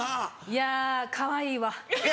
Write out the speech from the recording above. いやかわいいわ。